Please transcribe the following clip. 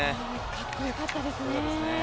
かっこよかったですね。